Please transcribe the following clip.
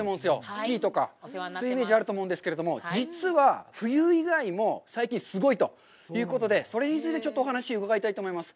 スキーとかそういうイメージがあると思うんですけれども、実は冬以外も最近すごいということで、それについてお話を伺いたいと思います。